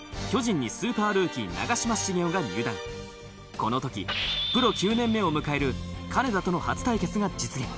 この時プロ９年目を迎える金田との初対決が実現。